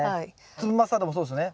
粒マスタードもそうですね？